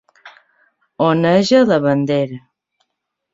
Oneja la bandera.